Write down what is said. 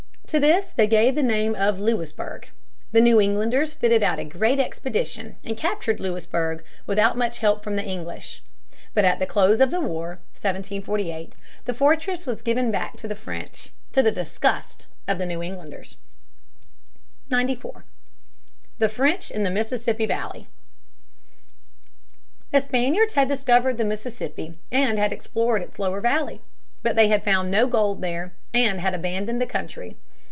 To this they gave the name of Louisburg. The New Englanders fitted out a great expedition and captured Louisburg without much help from the English. But at the close of the war (1748) the fortress was given back to the French, to the disgust of the New Englanders. [Sidenote: La Salle on the Mississippi, 1681.] [Sidenote: McMaster, 62 65; Source book, 96 98.] 94. The French in the Mississippi Valley. The Spaniards had discovered the Mississippi and had explored its lower valley. But they had found no gold there and had abandoned the country.